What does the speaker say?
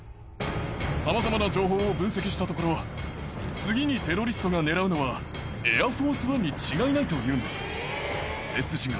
さまざまな情報を分析したところ、次にテロリストが狙うのは、エアフォースワンに違いないと言うんです。